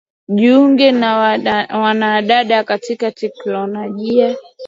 Tujiunge na wanadada katika teknolojia